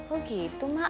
oh gitu mah